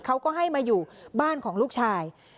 เขาก็ให้มาอยู่บ้านของลูกชาย